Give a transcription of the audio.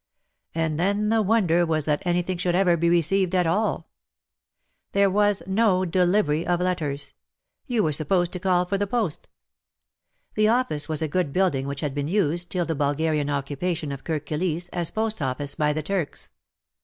And then the wonder was that anything should ever be received at all. There was no delivery of letters. You were supposed to call for the post. The office was WAR AND WOMEN 135 a good building which had been used — till the Bulgarian occupation of Kirk Kilisse — as post office by the Turks.